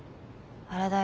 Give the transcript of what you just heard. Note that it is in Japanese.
あれだよ